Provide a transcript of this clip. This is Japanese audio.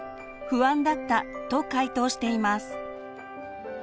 不安だったと回答しています。